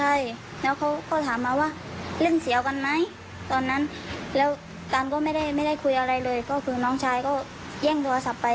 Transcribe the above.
แล้วเขาเปิดกล้องแล้วเขาก็ทำแบบนี้เลยค่ะ